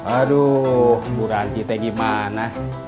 aduh buranti teh gimana